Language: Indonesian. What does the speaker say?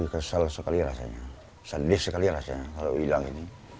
kesel sekali rasanya sedih sekali rasanya kalau hilang ini